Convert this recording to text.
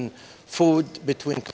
dan makanan antara negara